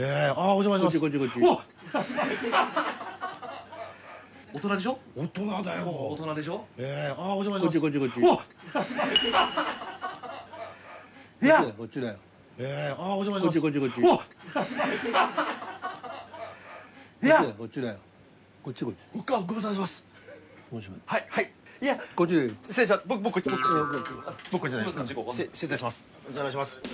お邪魔します。